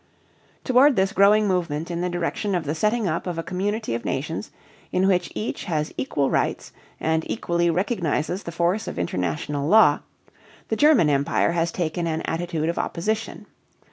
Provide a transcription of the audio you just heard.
Toward this growing movement in the direction of the setting up of a community of nations in which each has equal rights and equally recognizes the force of international law, the German Empire has taken an attitude of opposition.